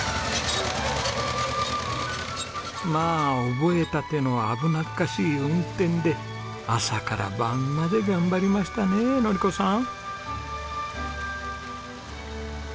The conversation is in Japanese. まあ覚えたての危なっかしい運転で朝から晩まで頑張りましたね典子さん。